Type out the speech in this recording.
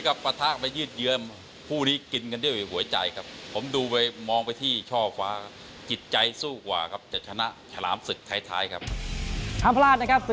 คู่นี้กินกันด้วยหัวใจครับผมดูไปมองไปที่ช่อฟ้าจิตใจสู้กว่าครับจะชนะชาลามสึกไทยครับ